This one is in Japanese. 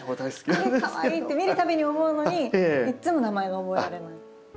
あれかわいいって見るたびに思うのにいつも名前が覚えられない。